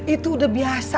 itu udah biasa